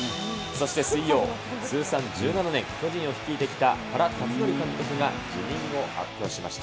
そして水曜、通算１７年、巨人を率いてきた原辰徳監督が辞任を発表しました。